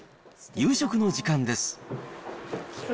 夕食の時間です。